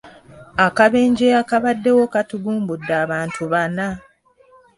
Akabenje akabaddewo katugumbudde abantu bana.